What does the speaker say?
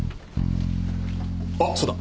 あっそうだ。